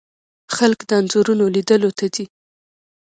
خلک د انځورونو لیدلو ته ځي.